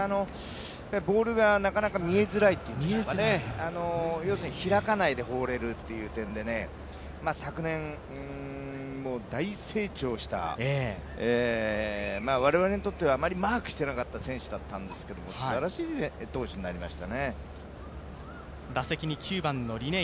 ボールがなかなか見えづらいというんでしょうか、要するに開かないで放れるという点で、昨年も大成長した、我々にとってはあまりマークしていなかった選手なんですけど、すばらしい投手になりましたね。